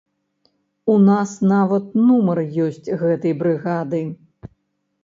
У нас нават нумар ёсць гэтай брыгады.